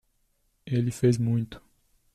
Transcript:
Ele fez muito.